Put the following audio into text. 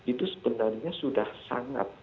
itu sebenarnya sudah sangat